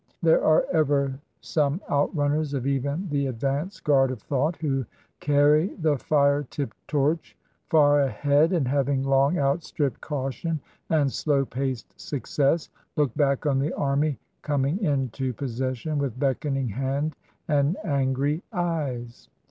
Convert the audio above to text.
There are ever some outrunners of even the advanced guard of thought who carry the fire tipped torch far ahead, and, having long outstripped caution and slow paced success, look back on the army coming into pos session with beckoning hand and angry eyes.